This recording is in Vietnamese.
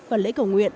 và lễ cầu nguyện